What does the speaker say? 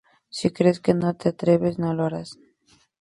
Si crees que no te atreves, no lo harás".